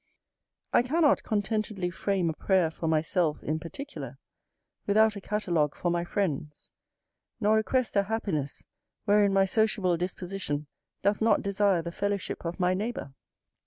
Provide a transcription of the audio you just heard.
I cannot contentedly frame a prayer for myself in particular, without a catalogue for my friends; nor request a happiness wherein my sociable disposition doth not desire the fellowship of my neighbour.